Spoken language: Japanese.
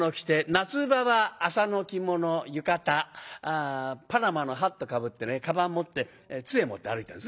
夏場は麻の着物浴衣パナマのハットかぶってねかばん持って杖持って歩いてるんですね。